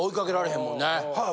はい。